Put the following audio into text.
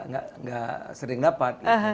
karena gak sering dapat